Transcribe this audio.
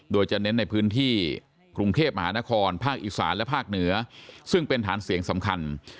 โดยจะเน้นในพื้นที่กรุงเทพมหานครภาคอีสานและภาคเหนือซึ่งเป็นฐานเสียงสำคัญ